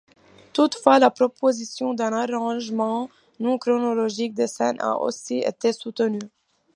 Toutefois la proposition d'un arrangement non chronologique des scènes a aussi été soutenue.